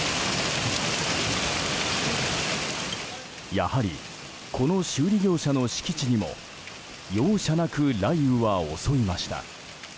やはりこの修理業者の敷地にも容赦なく雷雨は襲いました。